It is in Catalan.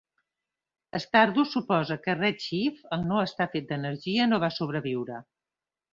Stardust suposa que Red Shift, al no estar fet d'energia, no va sobreviure.